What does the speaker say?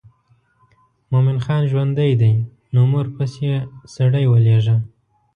مومن خان ژوندی دی نو مور پسې سړی ولېږه.